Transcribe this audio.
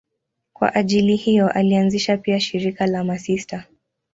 Kwa ajili hiyo alianzisha pia shirika la masista.